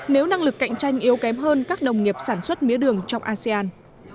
nếu năng lực cạnh tranh yếu kém hơn các nông nghiệp sản xuất mía đường trong asean